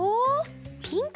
ピンク。